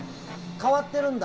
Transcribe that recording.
変わってるんだ。